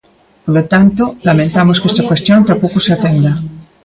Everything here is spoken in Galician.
Polo tanto, lamentamos que esta cuestión tampouco se atenda.